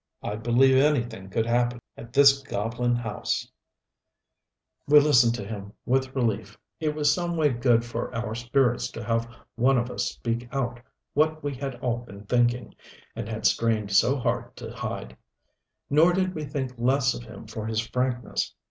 I'd believe anything could happen at this goblin house " We listened to him with relief. It was some way good for our spirits to have one of us speak out what we had all been thinking and had strained so hard to hide. Nor did we think less of him for his frankness.